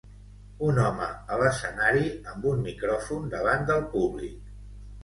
Un home a l'escenari amb un micròfon davant del públic.